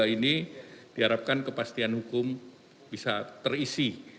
ini diharapkan kepastian hukum bisa terisi